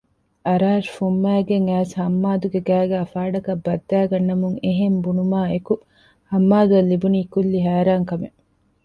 އަރާޝް ފުންމައިގެން އައިސް ހައްމާދުގެ ގައިގައި ފާޑަކަށް ބައްދައިގަންނަމުން އެހެން ބުނުމާއެކު ހައްމާދުއަށް ލިބުނީ ކުއްލި ހައިރާންކަމެއް